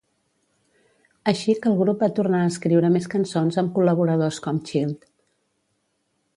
Així que el grup va tornar a escriure més cançons amb col·laboradors com Child.